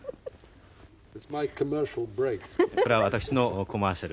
これは私のコマーシャル。